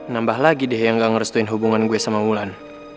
nambah lagi deh yang gak ngerestuin hubungan gue sama wulan